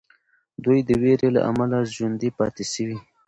دوی د ویرې له امله ژوندي پاتې سوي.